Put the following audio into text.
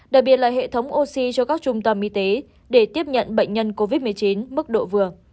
đặc biệt là hệ thống oxy cho các trung tâm y tế để tiếp nhận bệnh nhân covid một mươi chín mức độ vừa